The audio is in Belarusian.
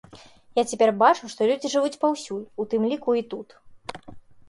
Я цяпер бачу, што людзі жывуць паўсюль, у тым ліку і тут.